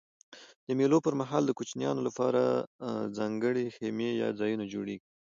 د مېلو پر مهال د کوچنيانو له پاره ځانګړي خیمې یا ځایونه جوړېږي.